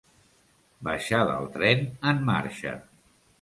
Baixar del tren en marxa.